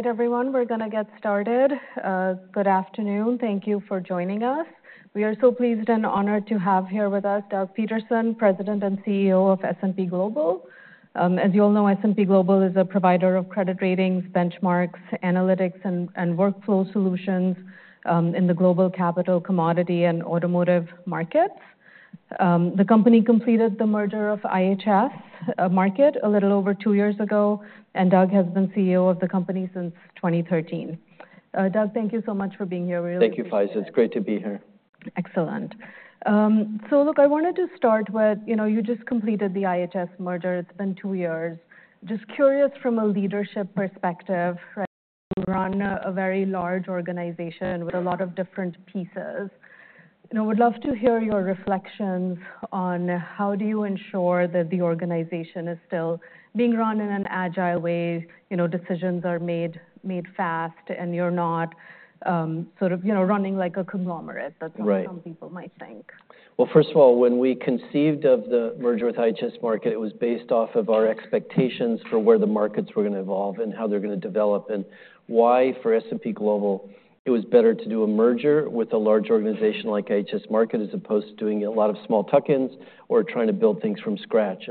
All right, everyone, we're gonna get started. Good afternoon. Thank you for joining us. We are so pleased and honored to have here with us Doug Peterson, President and CEO of S&P Global. As you all know, S&P Global is a provider of credit ratings, benchmarks, analytics, and, and workflow solutions, in the global capital, commodity, and automotive markets. The company completed the merger of IHS Markit, a little over two years ago, and Doug has been CEO of the company since 2013. Doug, thank you so much for being here. We really appreciate it. Thank you, Faiza. It's great to be here. Excellent. So look, I wanted to start with, you know, you just completed the IHS merger. It's been two years. Just curious, from a leadership perspective, right, you run a very large organization with a lot of different pieces. You know, would love to hear your reflections on how do you ensure that the organization is still being run in an agile way, you know, decisions are made, made fast, and you're not, sort of, you know, running like a conglomerate. That's what some people might think. Right. Well, first of all, when we conceived of the merger with IHS Markit, it was based off of our expectations for where the markets were gonna evolve and how they're gonna develop, and why, for S&P Global, it was better to do a merger with a large organization like IHS Markit, as opposed to doing a lot of small tuck-ins or trying to build things from scratch.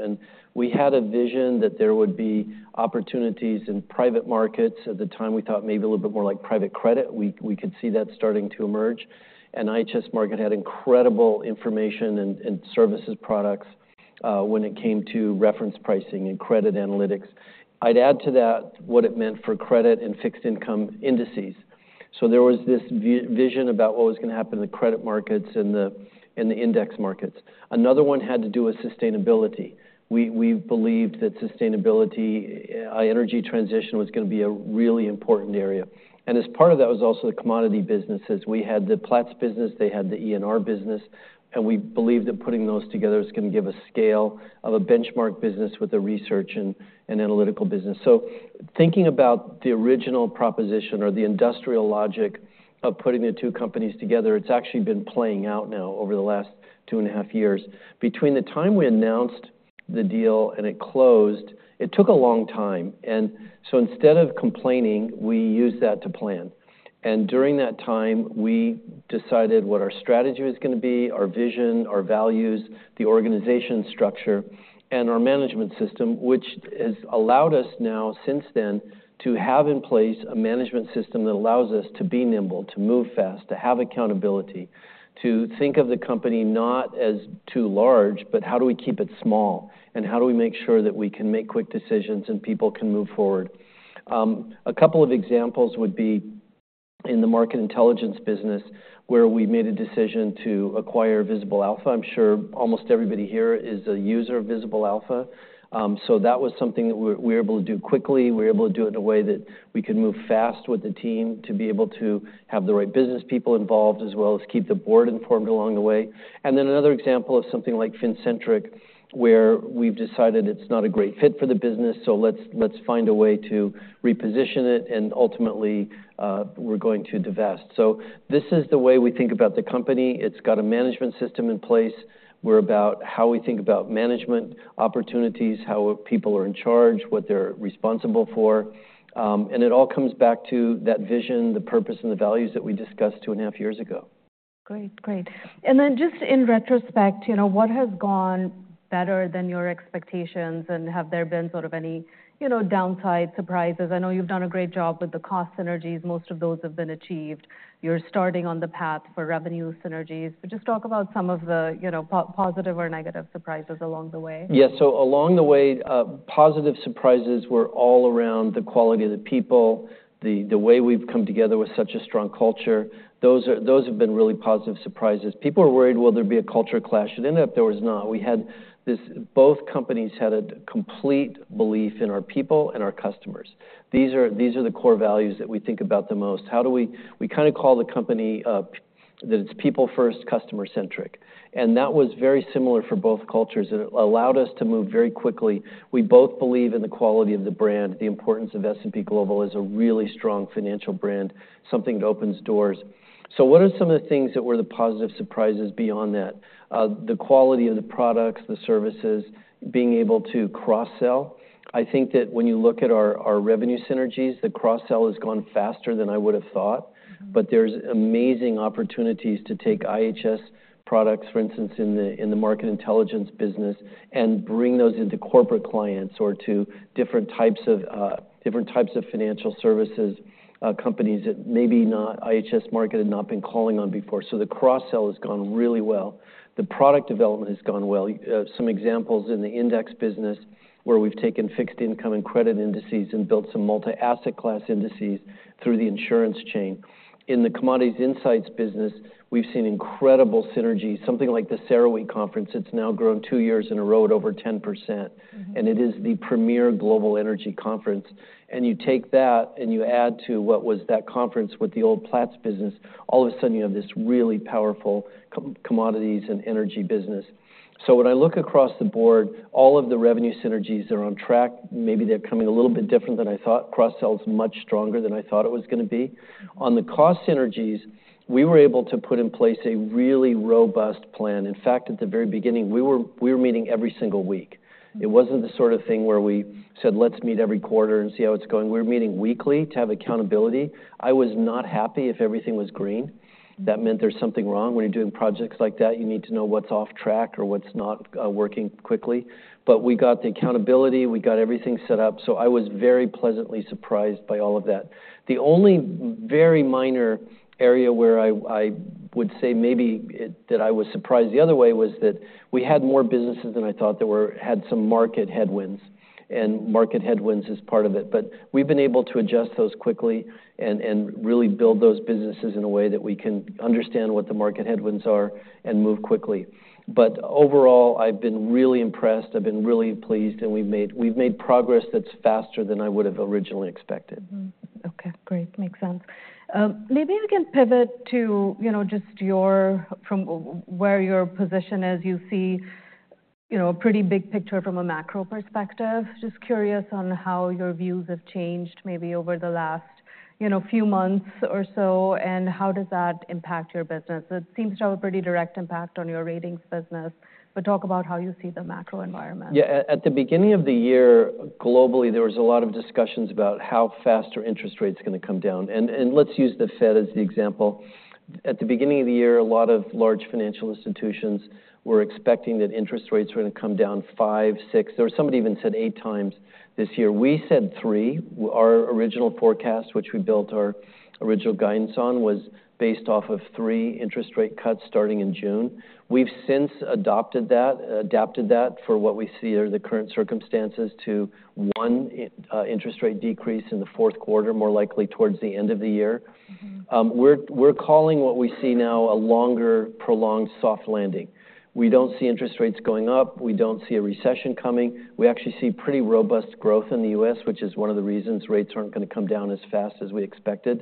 We had a vision that there would be opportunities in private markets. At the time, we thought maybe a little bit more like private credit. We could see that starting to emerge. IHS Markit had incredible information and services products when it came to reference pricing and credit analytics. I'd add to that what it meant for credit and fixed income indices. So there was this vision about what was gonna happen in the credit markets and the, and the index markets. Another one had to do with sustainability. We believed that sustainability, energy transition was gonna be a really important area. And as part of that was also the commodity businesses. We had the Platts business, they had the ENR business, and we believed that putting those together is gonna give a scale of a benchmark business with a research and analytical business. So thinking about the original proposition or the industrial logic of putting the two companies together, it's actually been playing out now over the last 2.5 years. Between the time we announced the deal and it closed, it took a long time, and so instead of complaining, we used that to plan. During that time, we decided what our strategy was gonna be, our vision, our values, the organization structure, and our management system, which has allowed us now, since then, to have in place a management system that allows us to be nimble, to move fast, to have accountability, to think of the company not as too large, but how do we keep it small? And how do we make sure that we can make quick decisions and people can move forward? A couple of examples would be in the Market Intelligence business, where we made a decision to acquire Visible Alpha. I'm sure almost everybody here is a user of Visible Alpha. So that was something that we, we were able to do quickly. We were able to do it in a way that we could move fast with the team to be able to have the right business people involved, as well as keep the board informed along the way. Then another example of something like Fincentric, where we've decided it's not a great fit for the business, so let's find a way to reposition it, and ultimately, we're going to divest. So this is the way we think about the company. It's got a management system in place. We're about how we think about management, opportunities, how people are in charge, what they're responsible for, and it all comes back to that vision, the purpose, and the values that we discussed two and a half years ago. Great. Great. And then just in retrospect, you know, what has gone better than your expectations, and have there been sort of any, you know, downside surprises? I know you've done a great job with the cost synergies. Most of those have been achieved. You're starting on the path for revenue synergies. But just talk about some of the, you know, positive or negative surprises along the way. Yeah, so along the way, positive surprises were all around the quality of the people, the way we've come together with such a strong culture. Those have been really positive surprises. People are worried, will there be a culture clash? It ended up, there was not. We had this. Both companies had a complete belief in our people and our customers. These are the core values that we think about the most. How do we. We kinda call the company that it's people first, customer centric, and that was very similar for both cultures, and it allowed us to move very quickly. We both believe in the quality of the brand, the importance of S&P Global as a really strong financial brand, something that opens doors. So what are some of the things that were the positive surprises beyond that? The quality of the products, the services, being able to cross-sell. I think that when you look at our revenue synergies, the cross-sell has gone faster than I would have thought. But there's amazing opportunities to take IHS products, for instance, in the Market Intelligence business, and bring those into corporate clients or to different types of financial services companies that maybe not IHS Markit had not been calling on before. So the cross-sell has gone really well. The product development has gone well. Some examples in the index business, where we've taken fixed income and credit indices and built some multi-asset class indices through the insurance chain. In the Commodity Insights business, we've seen incredible synergies. Something like the CERAWeek Conference, it's now grown two years in a row at over 10%, and it is the premier global energy conference. You take that and you add to what was that conference with the old Platts business, all of a sudden you have this really powerful commodities and energy business. So when I look across the board, all of the revenue synergies are on track. Maybe they're coming a little bit different than I thought. Cross-sell is much stronger than I thought it was gonna be. On the cost synergies, we were able to put in place a really robust plan. In fact, at the very beginning, we were meeting every single week. It wasn't the sort of thing where we said: Let's meet every quarter and see how it's going. We were meeting weekly to have accountability. I was not happy if everything was green. That meant there's something wrong. When you're doing projects like that, you need to know what's off track or what's not working quickly. But we got the accountability, we got everything set up, so I was very pleasantly surprised by all of that. The only very minor area where I would say maybe that I was surprised the other way was that we had more businesses than I thought that had some market headwinds... and market headwinds is part of it. But we've been able to adjust those quickly and really build those businesses in a way that we can understand what the market headwinds are and move quickly. But overall, I've been really impressed, I've been really pleased, and we've made progress that's faster than I would have originally expected. Okay, great. Makes sense. Maybe we can pivot to, you know, just your position as you see, you know, a pretty big picture from a macro perspective. Just curious on how your views have changed maybe over the last, you know, few months or so, and how does that impact your business? It seems to have a pretty direct impact on your ratings business, but talk about how you see the macro environment. Yeah. At the beginning of the year, globally, there was a lot of discussions about how faster interest rate's gonna come down, and let's use the Fed as the example. At the beginning of the year, a lot of large financial institutions were expecting that interest rates were gonna come down five, six, or somebody even said 8x this year. We said three. Our original forecast, which we built our original guidance on, was based off of three interest rate cuts starting in June. We've since adapted that for what we see are the current circumstances to one interest rate decrease in the fourth quarter, more likely towards the end of the year. We're calling what we see now a longer, prolonged soft landing. We don't see interest rates going up. We don't see a recession coming. We actually see pretty robust growth in the U.S., which is one of the reasons rates aren't gonna come down as fast as we expected.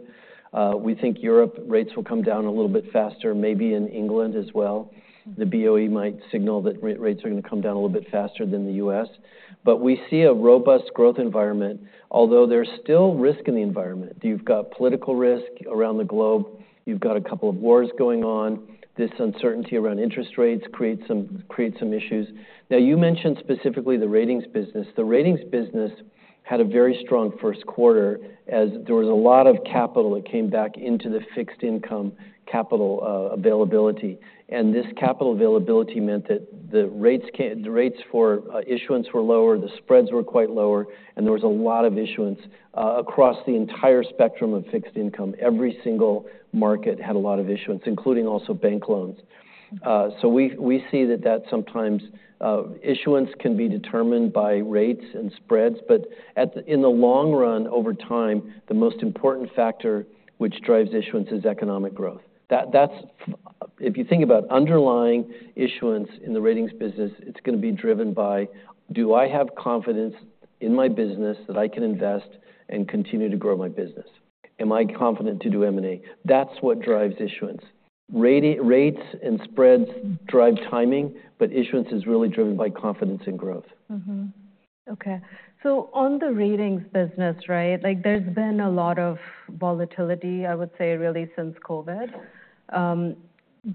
We think Europe rates will come down a little bit faster, maybe in England as well. The BoE might signal that rates are gonna come down a little bit faster than the U.S. But we see a robust growth environment, although there's still risk in the environment. You've got political risk around the globe. You've got a couple of wars going on. This uncertainty around interest rates creates some issues. Now, you mentioned specifically the ratings business. The ratings business had a very strong first quarter, as there was a lot of capital that came back into the fixed income capital availability. This capital availability meant that the rates for issuance were lower, the spreads were quite lower, and there was a lot of issuance across the entire spectrum of fixed income. Every single market had a lot of issuance, including also bank loans. So we see that sometimes issuance can be determined by rates and spreads, but in the long run, over time, the most important factor which drives issuance is economic growth. If you think about underlying issuance in the ratings business, it's gonna be driven by, do I have confidence in my business that I can invest and continue to grow my business? Am I confident to do M&A? That's what drives issuance. Rate, rates and spreads drive timing, but issuance is really driven by confidence and growth. Okay. So on the ratings business, right, like, there's been a lot of volatility, I would say, really since COVID.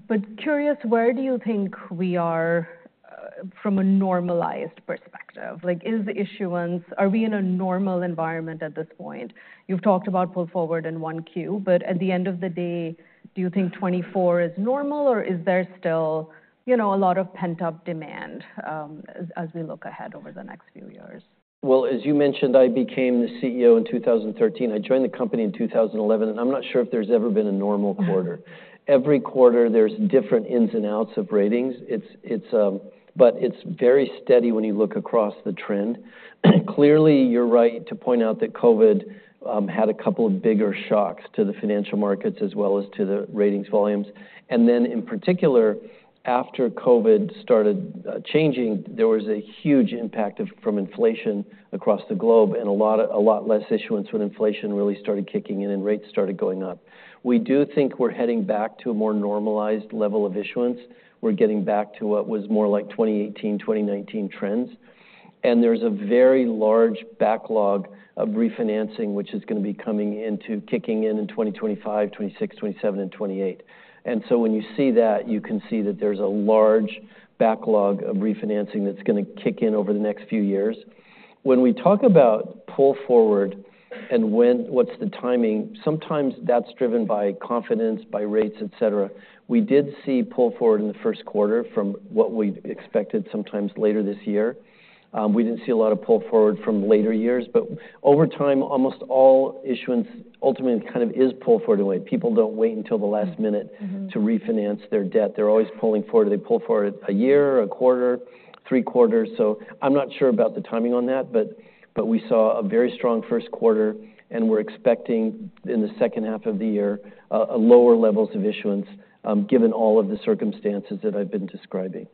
But curious, where do you think we are from a normalized perspective? Like, is the issuance, are we in a normal environment at this point? You've talked about pull forward in 1Q, but at the end of the day, do you think 2024 is normal, or is there still, you know, a lot of pent-up demand as we look ahead over the next few years? Well, as you mentioned, I became the CEO in 2013. I joined the company in 2011, and I'm not sure if there's ever been a normal quarter. Every quarter, there's different ins and outs of ratings. But it's very steady when you look across the trend. Clearly, you're right to point out that COVID had a couple of bigger shocks to the financial markets, as well as to the ratings volumes. And then, in particular, after COVID started changing, there was a huge impact from inflation across the globe, and a lot less issuance when inflation really started kicking in and rates started going up. We do think we're heading back to a more normalized level of issuance. We're getting back to what was more like 2018, 2019 trends. And there's a very large backlog of refinancing, which is gonna be coming into kicking in in 2025, 2026, 2027, and 2028. And so when you see that, you can see that there's a large backlog of refinancing that's gonna kick in over the next few years. When we talk about pull forward and when, what's the timing, sometimes that's driven by confidence, by rates, et cetera. We did see pull forward in the first quarter from what we'd expected sometimes later this year. We didn't see a lot of pull forward from later years, but over time, almost all issuance ultimately kind of is pulled forward away. People don't wait until the last minute to refinance their debt. They're always pulling forward. They pull forward a year, a quarter, three quarters. So I'm not sure about the timing on that, but we saw a very strong first quarter, and we're expecting, in the second half of the year, a lower levels of issuance, given all of the circumstances that I've been describing.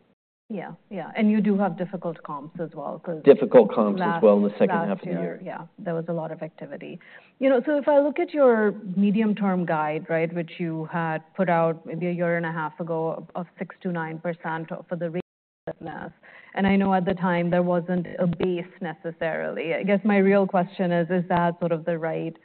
Yeah. Yeah, and you do have difficult comps as well. Difficult comps as well in the second half of the year. Yeah, there was a lot of activity. You know, so if I look at your medium-term guide, right, which you had put out maybe a year and a half ago, of 6%-9% for the rate business, and I know at the time there wasn't a base necessarily. I guess my real question is, is that sort of the right?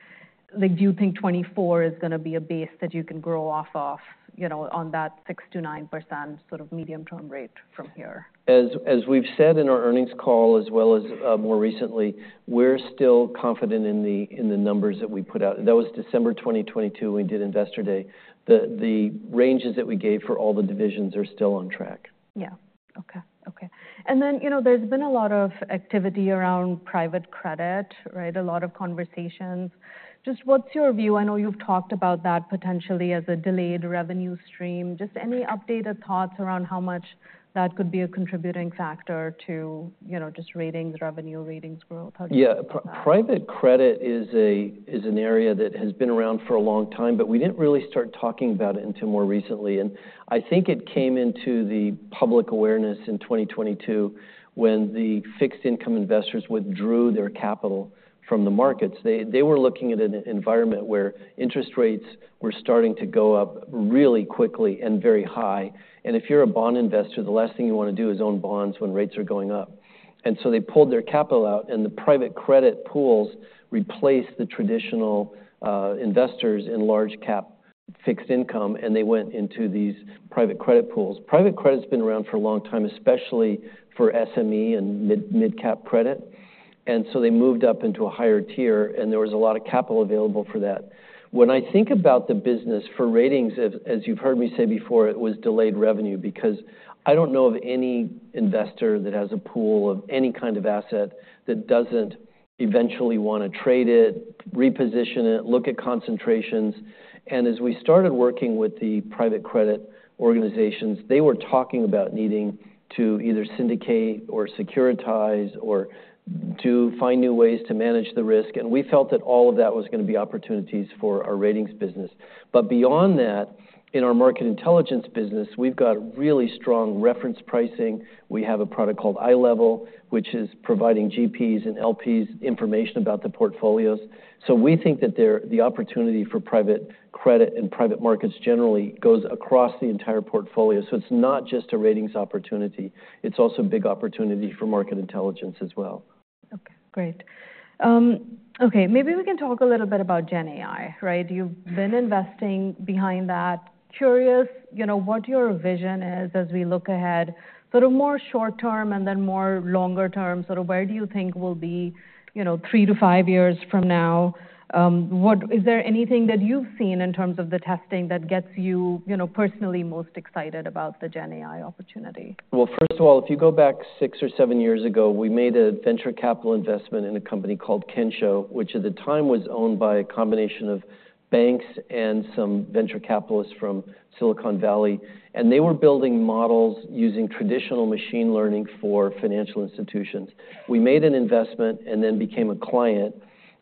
Like, do you think 2024 is gonna be a base that you can grow off of, you know, on that 6%-9% sort of medium-term rate from here? As we've said in our earnings call, as well as more recently, we're still confident in the numbers that we put out. That was December 2022, we did Investor Day. The ranges that we gave for all the divisions are still on track. Yeah. Okay. Okay. And then, you know, there's been a lot of activity around private credit, right? A lot of conversations. Just what's your view? I know you've talked about that potentially as a delayed revenue stream. Just any updated thoughts around how much that could be a contributing factor to, you know, just ratings, revenue, ratings growth? How do you think about that? Yeah, private credit is an area that has been around for a long time, but we didn't really start talking about it until more recently. And I think it came into the public awareness in 2022 when the fixed income investors withdrew their capital from the markets. They were looking at an environment where interest rates were starting to go up really quickly and very high. And if you're a bond investor, the last thing you want to do is own bonds when rates are going up. And so they pulled their capital out, and the private credit pools replaced the traditional investors in large cap fixed income, and they went into these private credit pools. Private credit's been around for a long time, especially for SME and mid-cap credit, and so they moved up into a higher tier, and there was a lot of capital available for that. When I think about the business for ratings, as you've heard me say before, it was delayed revenue because I don't know of any investor that has a pool of any kind of asset that doesn't eventually want to trade it, reposition it, look at concentrations. As we started working with the private credit organizations, they were talking about needing to either syndicate or securitize or to find new ways to manage the risk, and we felt that all of that was going to be opportunities for our ratings business. But beyond that, in our Market Intelligence business, we've got really strong reference pricing. We have a product called iLevel, which is providing GPs and LPs information about the portfolios. So we think that there is the opportunity for private credit and private markets generally goes across the entire portfolio. So it's not just a ratings opportunity, it's also a big opportunity for Market Intelligence as well. Okay, great. Okay, maybe we can talk a little bit about GenAI, right? You've been investing behind that. Curious, you know, what your vision is as we look ahead, sort of more short term and then more longer term, sort of where do you think we'll be, you know, three to five years from now? Is there anything that you've seen in terms of the testing that gets you, you know, personally most excited about the GenAI opportunity? Well, first of all, if you go back 5 or 7 years ago, we made a venture capital investment in a company called Kensho, which at the time was owned by a combination of banks and some venture capitalists from Silicon Valley. And they were building models using traditional machine learning for financial institutions. We made an investment and then became a client,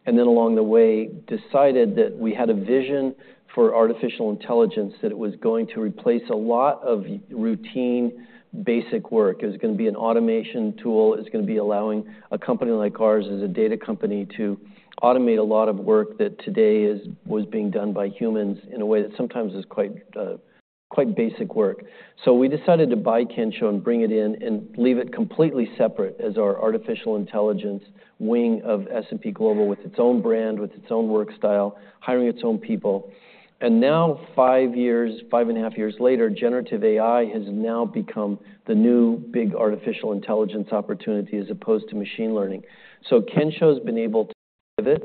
and then along the way, decided that we had a vision for artificial intelligence, that it was going to replace a lot of routine, basic work. It was going to be an automation tool. It was going to be allowing a company like ours, as a data company, to automate a lot of work that today was being done by humans in a way that sometimes is quite, quite basic work. So we decided to buy Kensho and bring it in and leave it completely separate as our artificial intelligence wing of S&P Global, with its own brand, with its own work style, hiring its own people. And now, 5 years, 5.5 years later, generative AI has now become the new big artificial intelligence opportunity, as opposed to machine learning. So Kensho has been able to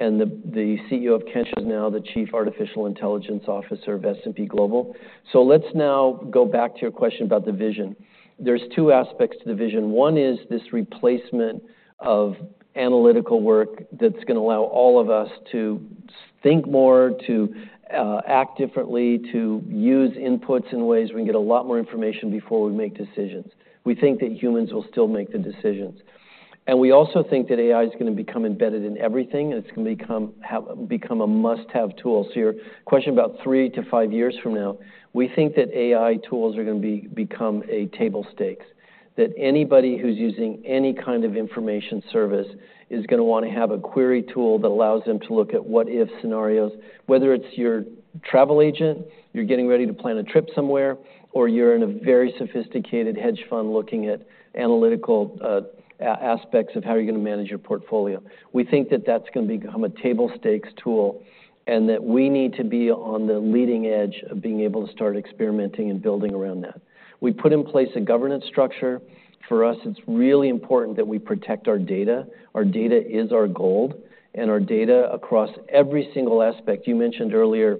pivot, and the CEO of Kensho is now the Chief Artificial Intelligence Officer of S&P Global. So let's now go back to your question about the vision. There's two aspects to the vision. One is this replacement of analytical work that's going to allow all of us to think more, to act differently, to use inputs in ways we can get a lot more information before we make decisions. We think that humans will still make the decisions. We also think that AI is going to become embedded in everything, and it's going to become a must-have tool. So your question about 3-5 years from now, we think that AI tools are going to become table stakes, that anybody who's using any kind of information service is going to want to have a query tool that allows them to look at what-if scenarios. Whether it's your travel agent, you're getting ready to plan a trip somewhere, or you're in a very sophisticated hedge fund looking at analytical aspects of how you're going to manage your portfolio. We think that that's going to become a table stakes tool, and that we need to be on the leading edge of being able to start experimenting and building around that. We put in place a governance structure. For us, it's really important that we protect our data. Our data is our gold, and our data across every single aspect. You mentioned earlier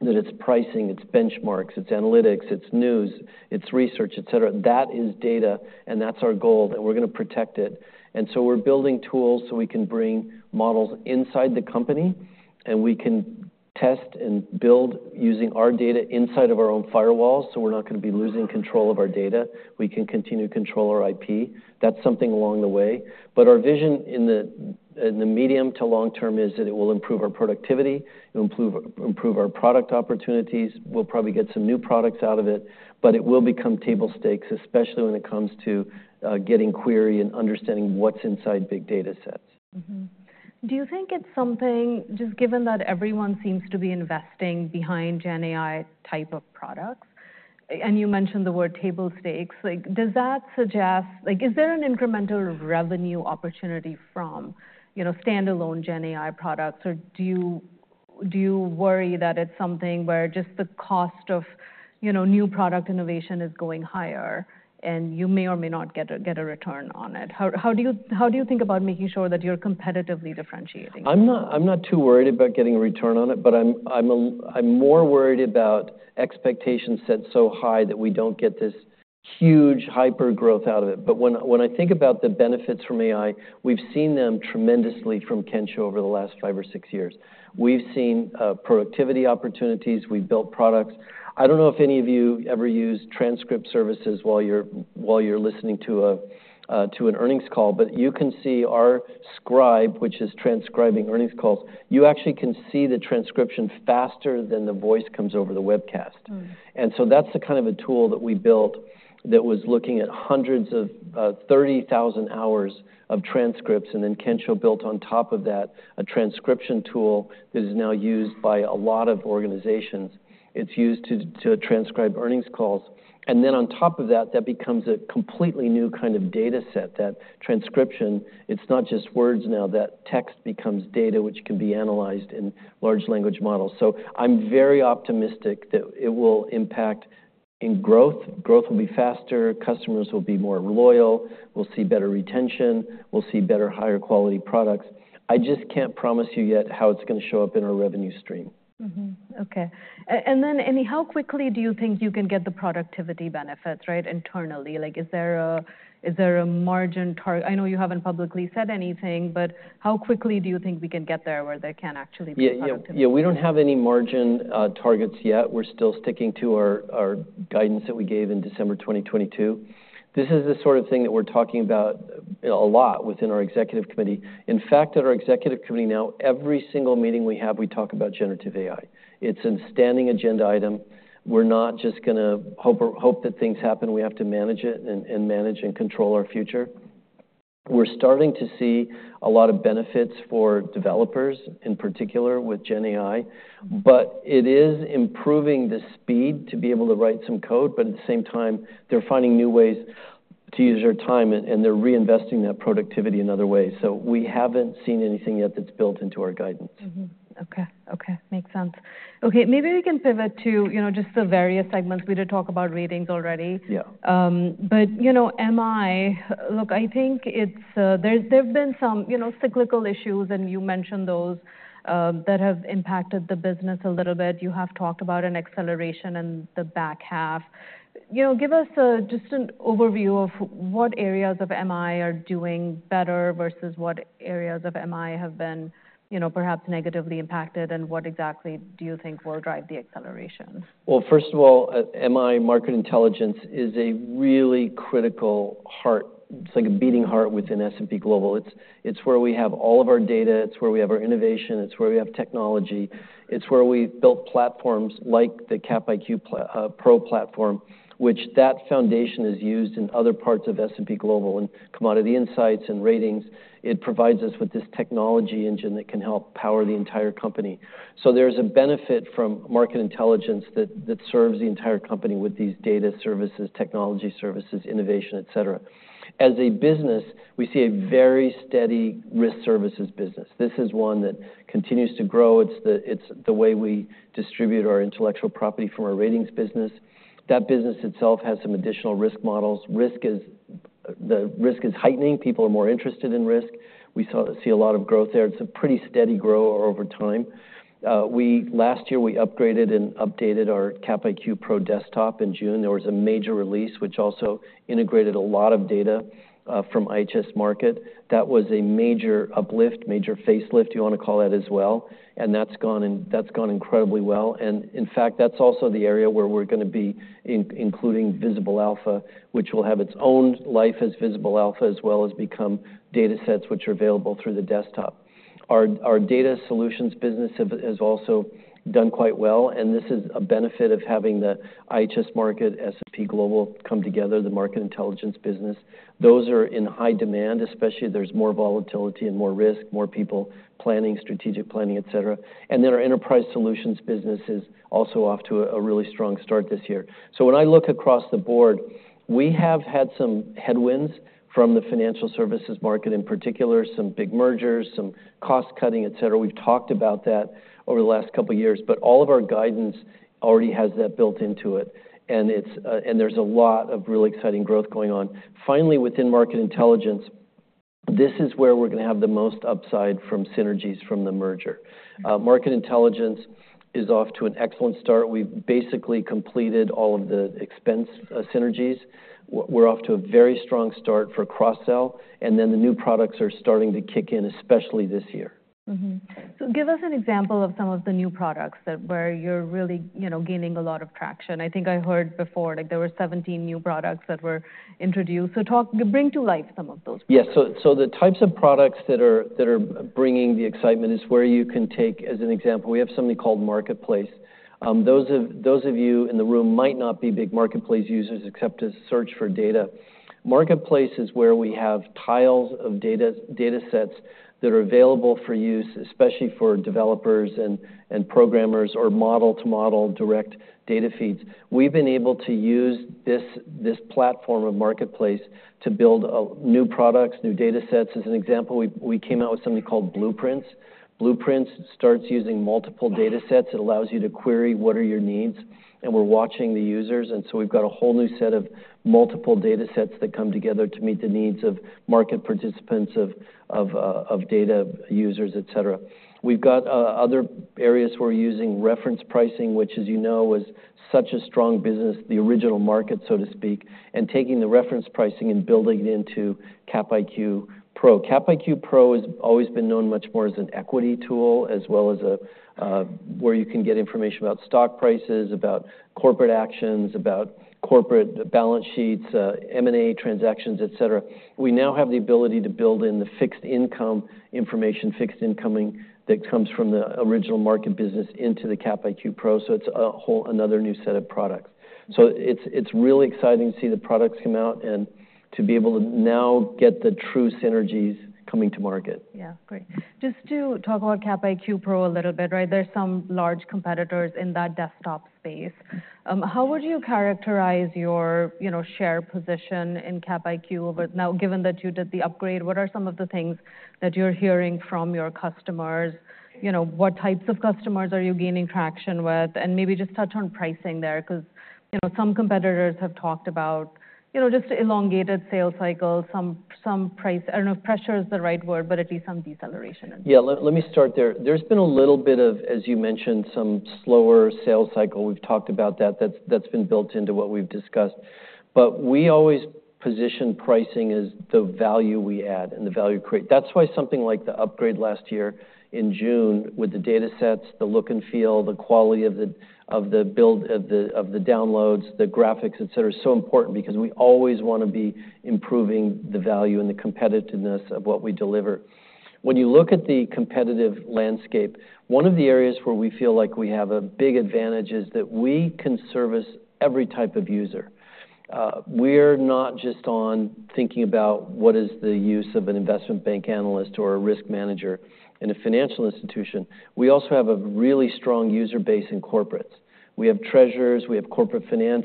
that it's pricing, it's benchmarks, it's analytics, it's news, it's research, et cetera. That is data, and that's our goal, and we're going to protect it. And so we're building tools so we can bring models inside the company, and we can test and build using our data inside of our own firewalls, so we're not going to be losing control of our data. We can continue to control our IP. That's something along the way. But our vision in the medium to long term is that it will improve our productivity, it will improve, improve our product opportunities. We'll probably get some new products out of it, but it will become table stakes, especially when it comes to getting query and understanding what's inside big data sets. Do you think it's something, just given that everyone seems to be investing behind GenAI type of products, and you mentioned the word table stakes, like, does that suggest, like, is there an incremental revenue opportunity from, you know, standalone GenAI products? Or do you, do you worry that it's something where just the cost of, you know, new product innovation is going higher, and you may or may not get a return on it? How do you think about making sure that you're competitively differentiating? I'm not too worried about getting a return on it, but I'm more worried about expectations set so high that we don't get this huge hypergrowth out of it. But when I think about the benefits from AI, we've seen them tremendously from Kensho over the last 5 or 6 years. We've seen productivity opportunities. We've built products. I don't know if any of you ever use transcript services while you're listening to an earnings call, but you can see our Scribe, which is transcribing earnings calls. You actually can see the transcription faster than the voice comes over the webcast. And so that's the kind of a tool that we built that was looking at hundreds of 30,000 hours of transcripts, and then Kensho built on top of that a transcription tool that is now used by a lot of organizations. It's used to transcribe earnings calls, and then on top of that, that becomes a completely new kind of data set. That transcription, it's not just words now. That text becomes data, which can be analyzed in large language models. So I'm very optimistic that it will impact in growth. Growth will be faster, customers will be more loyal, we'll see better retention, we'll see better, higher quality products. I just can't promise you yet how it's gonna show up in our revenue stream. Okay. And then, how quickly do you think you can get the productivity benefits, right, internally? Like, is there a margin target? I know you haven't publicly said anything, but how quickly do you think we can get there, where there can actually be productivity? Yeah, yeah, we don't have any margin targets yet. We're still sticking to our guidance that we gave in December 2022. This is the sort of thing that we're talking about a lot within our executive committee. In fact, at our executive committee now, every single meeting we have, we talk about generative AI. It's a standing agenda item. We're not just gonna hope that things happen. We have to manage it and manage and control our future. We're starting to see a lot of benefits for developers, in particular with GenAI, but it is improving the speed to be able to write some code, but at the same time, they're finding new ways to use their time, and they're reinvesting that productivity in other ways. So we haven't seen anything yet that's built into our guidance. Okay. Okay, makes sense. Okay, maybe we can pivot to, you know, just the various segments. We did talk about ratings already. Yeah. But, you know, MI, look, I think there've been some, you know, cyclical issues, and you mentioned those, that have impacted the business a little bit. You have talked about an acceleration in the back half. You know, give us just an overview of what areas of MI are doing better versus what areas of MI have been, you know, perhaps negatively impacted, and what exactly do you think will drive the acceleration? Well, first of all, MI, Market Intelligence, is a really critical heart. It's like a beating heart within S&P Global. It's where we have all of our data. It's where we have our innovation. It's where we have technology. It's where we've built platforms like the CapIQ Pro Platform, which that foundation is used in other parts of S&P Global, in Commodity Insights and Ratings. It provides us with this technology engine that can help power the entire company. So there's a benefit from Market Intelligence that serves the entire company with these data services, technology services, innovation, et cetera. As a business, we see a very steady risk services business. This is one that continues to grow. It's the way we distribute our intellectual property from our ratings business. That business itself has some additional risk models. The risk is heightening. People are more interested in risk. We see a lot of growth there. It's a pretty steady grower over time. Last year, we upgraded and updated our CapIQ Pro Desktop in June. There was a major release, which also integrated a lot of data from IHS Markit. That was a major uplift, major facelift, you wanna call that, as well, and that's gone incredibly well. And in fact, that's also the area where we're gonna be including Visible Alpha, which will have its own life as Visible Alpha, as well as become data sets which are available through the desktop. Our data solutions business has also done quite well, and this is a benefit of having the IHS Markit, S&P Global come together, the Market Intelligence business. Those are in high demand, especially there's more volatility and more risk, more people planning, strategic planning, et cetera. And then our enterprise solutions business is also off to a really strong start this year. So when I look across the board, we have had some headwinds from the financial services market, in particular, some big mergers, some cost-cutting, et cetera. We've talked about that over the last couple of years, but all of our guidance already has that built into it, and it's, and there's a lot of really exciting growth going on. Finally, within Market Intelligence. This is where we're gonna have the most upside from synergies from the merger. Market Intelligence is off to an excellent start. We've basically completed all of the expense synergies. We're off to a very strong start for cross-sell, and then the new products are starting to kick in, especially this year. So give us an example of some of the new products where you're really, you know, gaining a lot of traction. I think I heard before, like, there were 17 new products that were introduced. So talk, bring to life some of those products. Yes. So, the types of products that are bringing the excitement is where you can take, as an example, we have something called Marketplace. Those of you in the room might not be big Marketplace users, except to search for data. Marketplace is where we have tiles of data sets that are available for use, especially for developers and programmers, or model-to-model direct data feeds. We've been able to use this platform of Marketplace to build new products, new data sets. As an example, we came out with something called Blueprints. Blueprints starts using multiple data sets. It allows you to query what are your needs, and we're watching the users. We've got a whole new set of multiple data sets that come together to meet the needs of market participants, of data users, et cetera. We've got other areas we're using reference pricing, which, as you know, is such a strong business, the original market, so to speak, and taking the reference pricing and building it into CapIQ Pro. CapIQ Pro has always been known much more as an equity tool, as well as where you can get information about stock prices, about corporate actions, about corporate balance sheets, M&A transactions, et cetera. We now have the ability to build in the fixed income information, fixed income, that comes from the original market business into the CapIQ Pro, so it's a whole another new set of products. So it's really exciting to see the products come out, and to be able to now get the true synergies coming to market. Yeah. Great. Just to talk about CapIQ Pro a little bit, right? There's some large competitors in that desktop space. How would you characterize your, you know, share position in CapIQ? But now, given that you did the upgrade, what are some of the things that you're hearing from your customers? You know, what types of customers are you gaining traction with? And maybe just touch on pricing there, 'cause, you know, some competitors have talked about, you know, just elongated sales cycles, some price, I don't know if pressure is the right word, but at least some deceleration. Yeah, let me start there. There's been a little bit of, as you mentioned, some slower sales cycle. We've talked about that. That's been built into what we've discussed. But we always position pricing as the value we add and the value we create. That's why something like the upgrade last year in June, with the data sets, the look and feel, the quality of the build of the downloads, the graphics, et cetera, is so important, because we always want to be improving the value and the competitiveness of what we deliver. When you look at the competitive landscape, one of the areas where we feel like we have a big advantage is that we can service every type of user. We're not just on thinking about what is the use of an investment bank analyst or a risk manager in a financial institution. We also have a really strong user base in corporates. We have treasurers, we have corporate finance,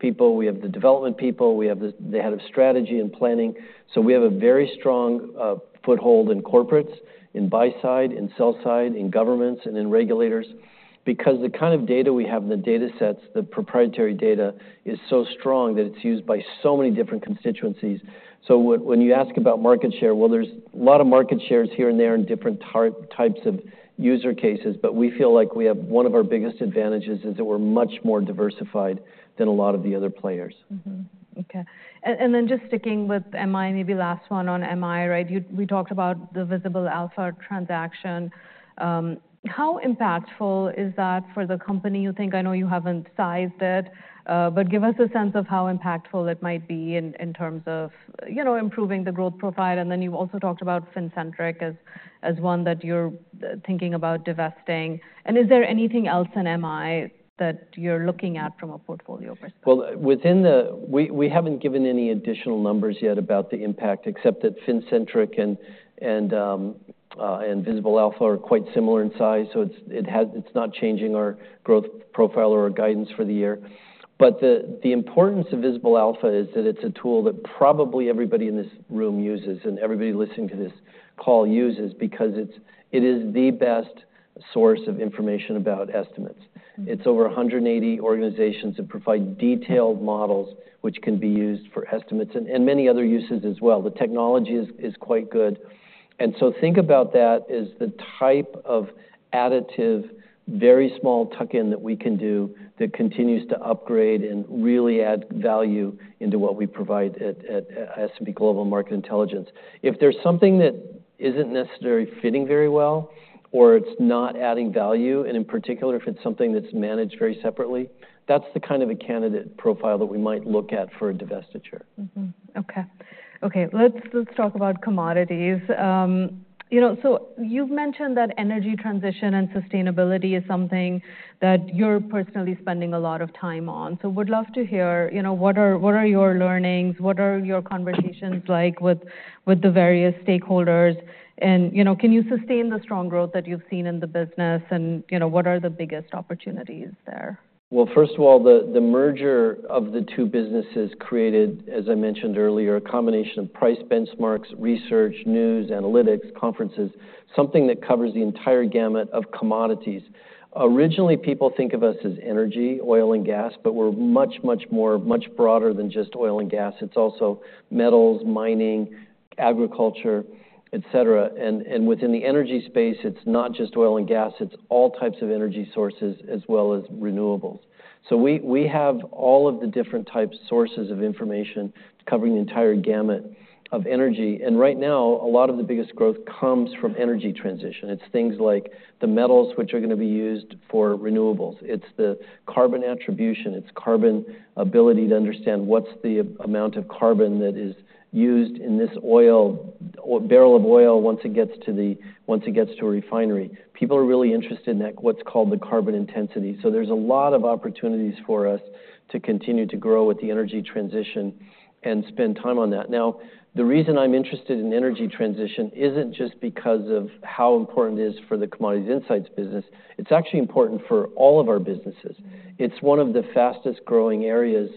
people, we have the development people, we have the head of strategy and planning. So we have a very strong foothold in corporates, in buy side and sell side, in governments and in regulators, because the kind of data we have, the data sets, the proprietary data, is so strong that it's used by so many different constituencies. So when you ask about market share, well, there's a lot of market shares here and there in different types of use cases, but we feel like we have one of our biggest advantages is that we're much more diversified than a lot of the other players. Okay. And, and then just sticking with MI, maybe last one on MI, right? We talked about the Visible Alpha transaction. How impactful is that for the company, you think? I know you haven't sized it, but give us a sense of how impactful it might be in, in terms of, you know, improving the growth profile. And then you've also talked about Fincentric as, as one that you're thinking about divesting. And is there anything else in MI that you're looking at from a portfolio perspective? Well, we haven't given any additional numbers yet about the impact, except that Fincentric and Visible Alpha are quite similar in size, so it has, it's not changing our growth profile or our guidance for the year. But the importance of Visible Alpha is that it's a tool that probably everybody in this room uses, and everybody listening to this call uses, because it is the best source of information about estimates. It's over 180 organizations that provide detailed models, which can be used for estimates and many other uses as well. The technology is quite good. And so think about that as the type of additive, very small tuck-in that we can do that continues to upgrade and really add value into what we provide at S&P Global Market Intelligence. If there's something that isn't necessarily fitting very well, or it's not adding value, and in particular, if it's something that's managed very separately, that's the kind of a candidate profile that we might look at for a divestiture. Okay. Okay, let's talk about commodities. You know, so you've mentioned that energy transition and sustainability is something that you're personally spending a lot of time on. So would love to hear, you know, what are your learnings? What are your conversations like with the various stakeholders? And, you know, can you sustain the strong growth that you've seen in the business? And, you know, what are the biggest opportunities there? Well, first of all, the merger of the two businesses created, as I mentioned earlier, a combination of price benchmarks, research, news, analytics, conferences, something that covers the entire gamut of commodities. Originally, people think of us as energy, oil and gas, but we're much, much more, much broader than just oil and gas. It's also metals, mining, agriculture, et cetera. And within the energy space, it's not just oil and gas, it's all types of energy sources as well as renewables. So we have all of the different types sources of information covering the entire gamut of energy. And right now, a lot of the biggest growth comes from energy transition. It's things like the metals, which are gonna be used for renewables. It's the carbon attribution. It's carbon ability to understand what's the amount of carbon that is used in this oil or barrel of oil once it gets to a refinery. People are really interested in that, what's called the carbon intensity. So there's a lot of opportunities for us to continue to grow with the energy transition and spend time on that. Now, the reason I'm interested in energy transition isn't just because of how important it is for the Commodity Insights business. It's actually important for all of our businesses. It's one of the fastest growing areas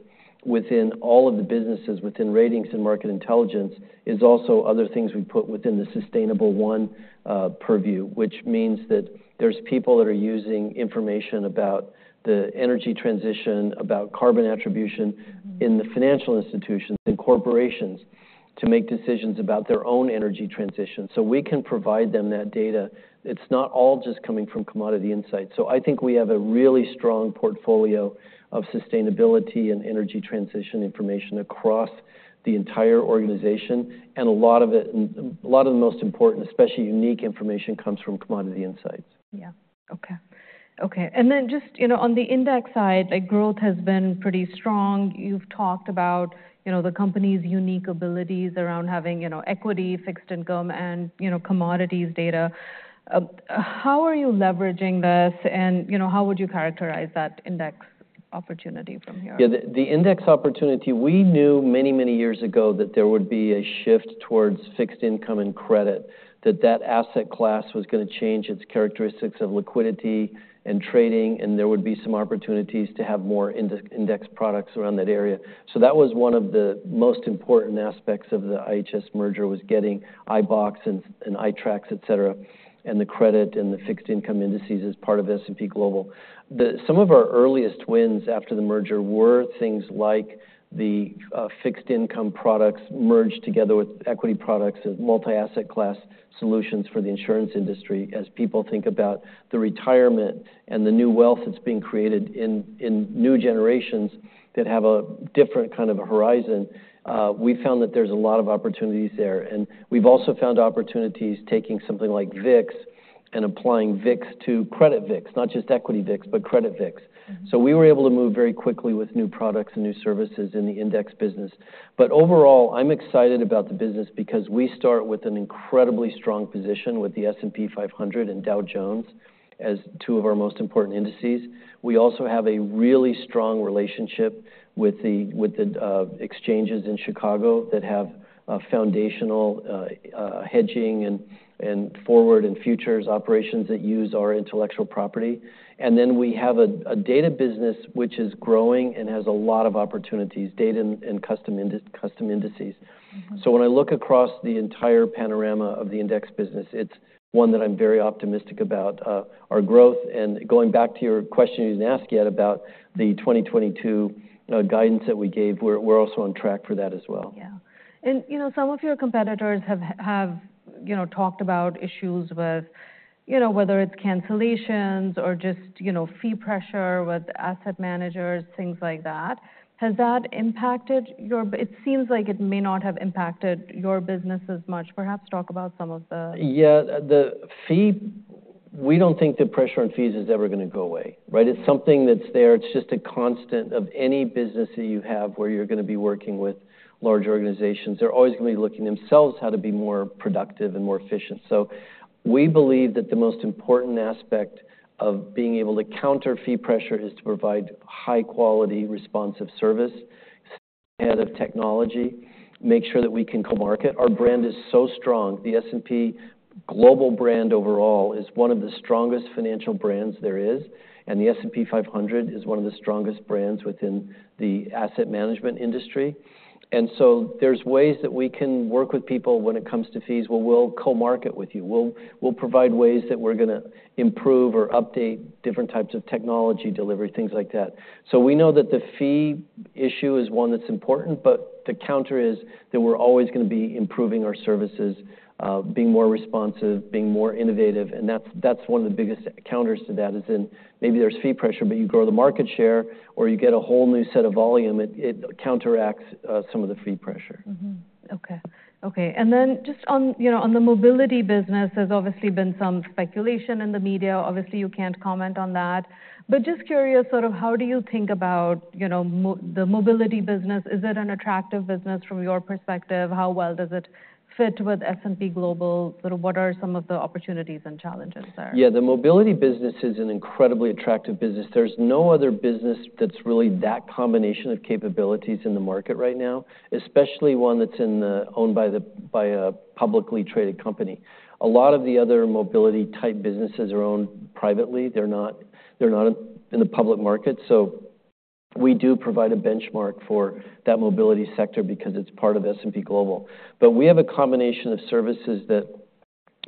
within all of the businesses, within ratings and Market Intelligence, is also other things we put within the Sustainable1 purview, which means that there's people that are using information about the energy transition, about carbon attribution in the financial institutions and corporations to make decisions about their own energy transition. So we can provide them that data. It's not all just coming from Commodity Insights. So I think we have a really strong portfolio of sustainability and energy transition information across the entire organization, and a lot of the most important, especially unique information, comes from Commodity Insights. Yeah. Okay. Okay, and then just, you know, on the index side, like, growth has been pretty strong. You've talked about, you know, the company's unique abilities around having, you know, equity, fixed income, and, you know, commodities data. How are you leveraging this? And, you know, how would you characterize that index opportunity from here? Yeah, the index opportunity, we knew many, many years ago that there would be a shift towards fixed income and credit, that that asset class was gonna change its characteristics of liquidity and trading, and there would be some opportunities to have more index, index products around that area. So that was one of the most important aspects of the IHS merger, was getting iBoxx and, and iTraxx, et cetera, and the credit and the fixed income indices as part of S&P Global. Some of our earliest wins after the merger were things like the fixed income products merged together with equity products as multi-asset class solutions for the insurance industry. As people think about the retirement and the new wealth that's being created in new generations that have a different kind of a horizon, we found that there's a lot of opportunities there. And we've also found opportunities taking something like VIX and applying VIX to credit VIX, not just equity VIX, but credit VIX. So we were able to move very quickly with new products and new services in the index business. But overall, I'm excited about the business because we start with an incredibly strong position with the S&P 500 and Dow Jones as two of our most important indices. We also have a really strong relationship with the exchanges in Chicago that have a foundational hedging and forward and futures operations that use our intellectual property. And then we have a data business which is growing and has a lot of opportunities, data and custom indices. So when I look across the entire panorama of the index business, it's one that I'm very optimistic about our growth. And going back to your question you didn't ask yet about the 2022 guidance that we gave, we're also on track for that as well. Yeah. And, you know, some of your competitors have, you know, talked about issues with, you know, whether it's cancellations or just, you know, fee pressure with asset managers, things like that. Has that impacted your business? It seems like it may not have impacted your business as much. Perhaps talk about some of those. Yeah, the fee, we don't think the pressure on fees is ever gonna go away, right? It's something that's there. It's just a constant of any business that you have where you're gonna be working with large organizations. They're always gonna be looking themselves how to be more productive and more efficient. So we believe that the most important aspect of being able to counter fee pressure is to provide high-quality, responsive service, ahead of technology, make sure that we can co-market. Our brand is so strong. The S&P Global brand overall is one of the strongest financial brands there is, and the S&P 500 is one of the strongest brands within the asset management industry. And so there's ways that we can work with people when it comes to fees, where we'll co-market with you. We'll provide ways that we're gonna improve or update different types of technology delivery, things like that. So we know that the fee issue is one that's important, but the counter is that we're always gonna be improving our services, being more responsive, being more innovative, and that's one of the biggest counters to that, is in maybe there's fee pressure, but you grow the market share, or you get a whole new set of volume, it counteracts some of the fee pressure. Okay. Okay, and then just on, you know, on the mobility business, there's obviously been some speculation in the media. Obviously, you can't comment on that, but just curious, sort of how do you think about, you know, the mobility business? Is it an attractive business from your perspective? How well does it fit with S&P Global? Sort of what are some of the opportunities and challenges there? Yeah, the mobility business is an incredibly attractive business. There's no other business that's really that combination of capabilities in the market right now, especially one that's owned by a publicly traded company. A lot of the other mobility-type businesses are owned privately. They're not in the public market. So we do provide a benchmark for that mobility sector because it's part of S&P Global. But we have a combination of services that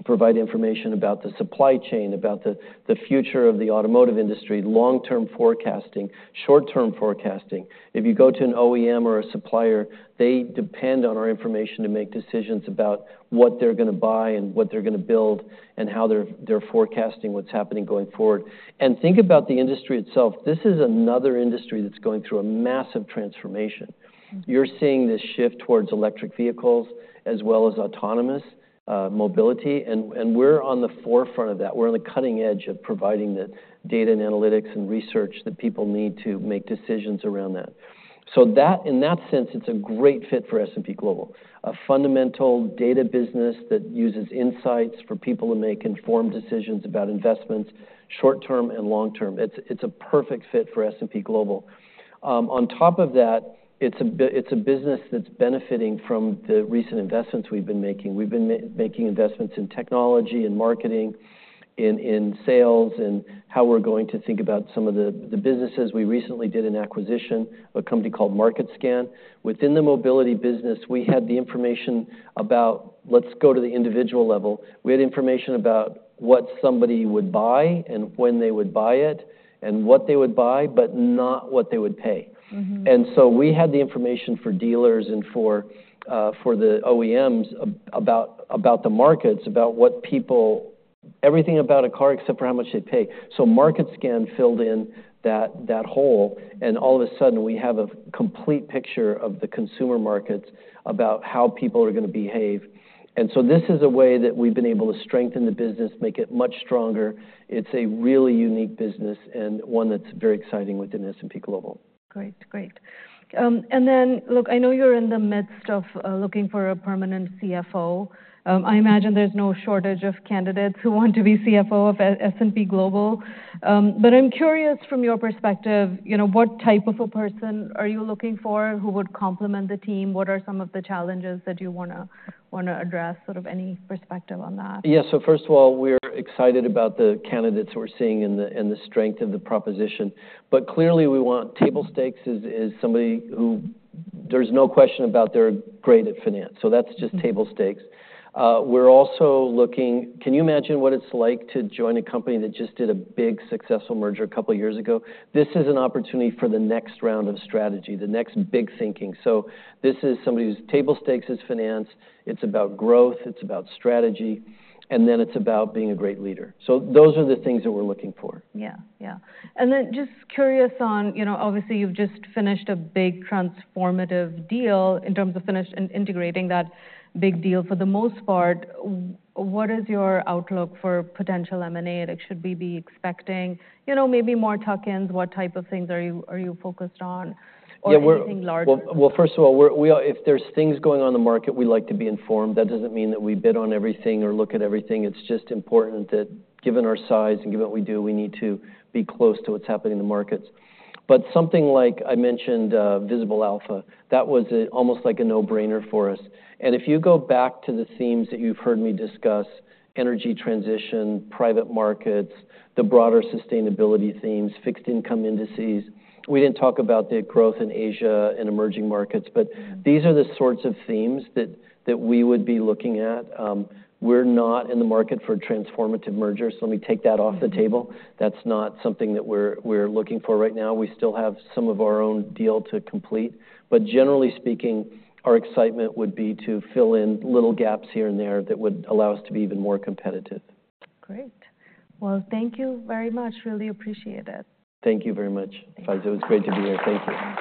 provide information about the supply chain, about the future of the automotive industry, long-term forecasting, short-term forecasting. If you go to an OEM or a supplier, they depend on our information to make decisions about what they're gonna buy and what they're gonna build, and how they're forecasting what's happening going forward. And think about the industry itself. This is another industry that's going through a massive transformation. You're seeing this shift towards electric vehicles as well as autonomous mobility, and we're on the forefront of that. We're on the cutting edge of providing the data and analytics and research that people need to make decisions around that. So that in that sense, it's a great fit for S&P Global. A fundamental data business that uses insights for people to make informed decisions about investments, short-term and long-term. It's a perfect fit for S&P Global. On top of that, it's a business that's benefiting from the recent investments we've been making. We've been making investments in technology, in marketing, in sales, in how we're going to think about some of the businesses. We recently did an acquisition, a company called Market Scan. Within the mobility business. Let's go to the individual level. We had information about what somebody would buy, and when they would buy it, and what they would buy, but not what they would pay. And so we had the information for dealers and for the OEMs about the markets, about what people, everything about a car except for how much they pay. So Market Scan filled in that hole, and all of a sudden, we have a complete picture of the consumer markets about how people are gonna behave. And so this is a way that we've been able to strengthen the business, make it much stronger. It's a really unique business, and one that's very exciting within S&P Global. Great. Great. And then, look, I know you're in the midst of looking for a permanent CFO. I imagine there's no shortage of candidates who want to be CFO of S&P Global. But I'm curious from your perspective, you know, what type of a person are you looking for who would complement the team? What are some of the challenges that you wanna address? Sort of any perspective on that. Yeah. So first of all, we're excited about the candidates we're seeing and the, and the strength of the proposition. But clearly, we want table stakes is, is somebody who there's no question about they're great at finance, so that's just table stakes. We're also looking, can you imagine what it's like to join a company that just did a big, successful merger a couple of years ago? This is an opportunity for the next round of strategy, the next big thinking. So this is somebody whose table stakes is finance, it's about growth, it's about strategy, and then it's about being a great leader. So those are the things that we're looking for. Yeah. Yeah. And then just curious on, you know, obviously, you've just finished a big transformative deal in terms of finished and integrating that big deal. For the most part, what is your outlook for potential M&A, like, should we be expecting, you know, maybe more tuck-ins? What type of things are you, are you focused on, or anything larger? Yeah, well, first of all, if there's things going on in the market, we like to be informed. That doesn't mean that we bid on everything or look at everything. It's just important that, given our size and given what we do, we need to be close to what's happening in the markets. But something like, I mentioned, Visible Alpha, that was almost like a no-brainer for us. And if you go back to the themes that you've heard me discuss: energy transition, private markets, the broader sustainability themes, fixed income indices. We didn't talk about the growth in Asia and emerging markets, but these are the sorts of themes that, that we would be looking at. We're not in the market for transformative mergers, so let me take that off the table. That's not something that we're looking for right now. We still have some of our own deal to complete. But generally speaking, our excitement would be to fill in little gaps here and there that would allow us to be even more competitive. Great. Well, thank you very much. Really appreciate it. Thank you very much.It was great to be here. Thank you.